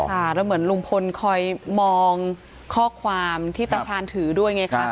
ค่ะแล้วเหมือนลุงพลคอยมองข้อความที่ตาชาญถือด้วยไงคะ